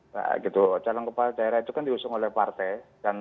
nah gitu calon kepala daerah itu kan diusung oleh partai